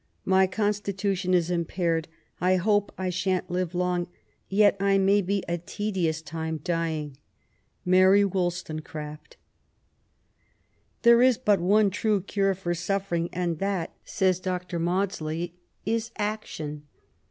My con fititntion is impaired. I hope I shan't live long, yet I may be a tedious iame dying. ... Mast Wollstonecbxfp. '' There is but one true cure for sufferings and that/' says Dr, Maudsley, ''is action."